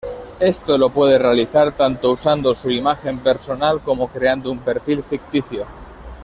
Esto lo puede realizar tanto usando su imagen personal como creando un perfil ficticio.